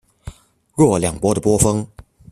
若两波的波峰。